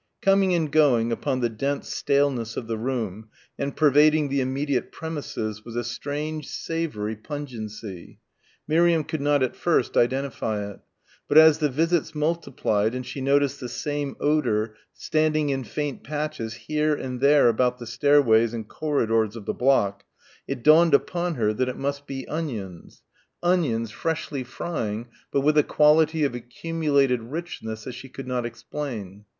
Coming and going upon the dense staleness of the room and pervading the immediate premises was a strange savoury pungency. Miriam could not at first identify it. But as the visits multiplied and she noticed the same odour standing in faint patches here and there about the stairways and corridors of the block, it dawned upon her that it must be onions onions freshly frying but with a quality of accumulated richness that she could not explain.